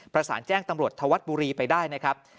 ประสานแจ้งตำรวจธวัดบุรีไปได้นะครับ